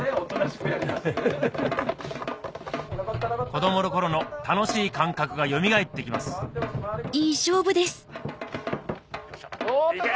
子どもの頃の楽しい感覚がよみがえってきますいけ！